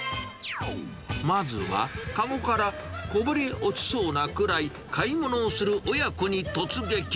まずは、籠からこぼれ落ちそうなくらい買い物をする親子に突撃。